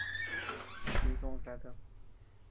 ¿A tii koʼöd katad?